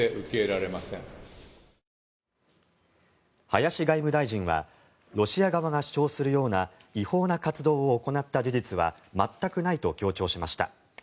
林外務大臣はロシア側が主張するような違法な活動を行った事実は全くないと強調しました。